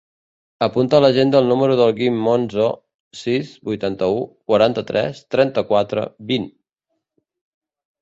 Apunta a l'agenda el número del Guim Monzo: sis, vuitanta-u, quaranta-tres, trenta-quatre, vint.